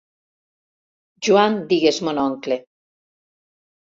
Joan digués mon oncle.